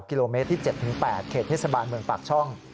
กิโลเมตรที่๗๘เขตเทศบาลเมืองปากช่อง